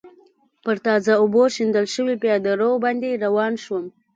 پر تازه اوبو شیندل شوي پېاده رو باندې روان شوم.